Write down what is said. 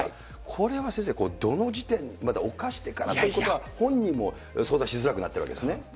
これは先生、どの時点、犯してからということは、本人も相談しづらくなっているわけですね。